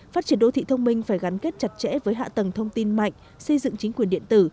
phát triển đô thị thông minh phải gắn kết chặt chẽ với hạ tầng thông tin mạnh xây dựng chính quyền điện tử